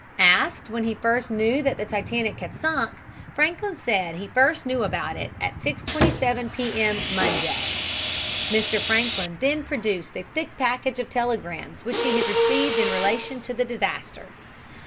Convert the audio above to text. Asked when he first knew that the Titanic had sunk, Franklin said he first knew it about 6.27 P.M., Monday. Mr. Franklin then produced a thick package of telegrams which he had received in relation to the disaster.